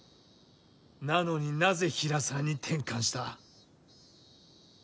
なのになぜ平沢に転換した？